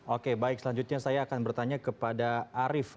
oke baik selanjutnya saya akan bertanya kepada arief